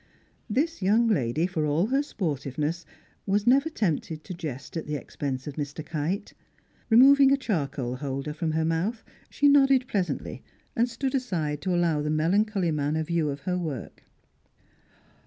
This young lady, for all her sportiveness, was never tempted to jest at the expense of Mr. Kite; removing a charcoal holder from her mouth, she nodded pleasantly, and stood aside to allow the melancholy man a view of her work.